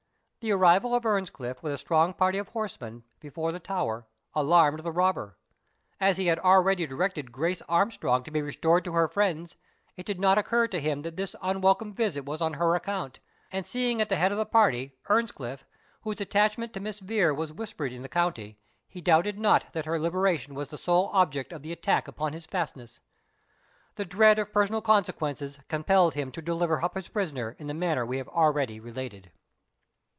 The arrival of Earnscliff, with a strong party of horsemen, before the tower, alarmed the robber. As he had already directed Grace Armstrong to be restored to her friends, it did not occur to him that this unwelcome visit was on her account; and seeing at the head of the party, Earnscliff, whose attachment to Miss Vere was whispered in the country, he doubted not that her liberation was the sole object of the attack upon his fastness. The dread of personal consequences compelled him to deliver up his prisoner in the manner we have already related.